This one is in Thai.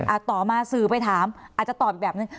ต่อมาสื่อไปถามอาจจะตอบอีกแบบนึง